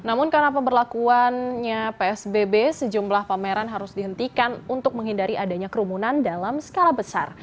namun karena pemberlakuannya psbb sejumlah pameran harus dihentikan untuk menghindari adanya kerumunan dalam skala besar